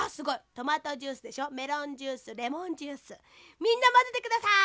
トマトジュースでしょメロンジュースレモンジュースみんなまぜてください。